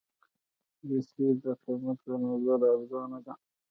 رسۍ د قېمت له نظره ارزانه ده.